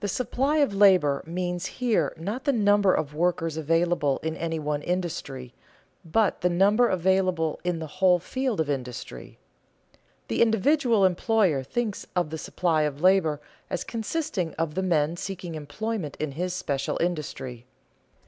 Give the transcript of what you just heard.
_The supply of labor means here not the number of workers available in any one industry, but the number available in the whole field of industry._ The individual employer thinks of the supply of labor as consisting of the men seeking employment in his special industry.